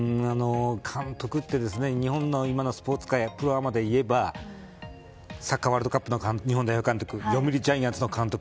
監督って日本の今のスポーツ界プロアマで言えばサッカーワールドカップの日本代表監督読売ジャイアンツの監督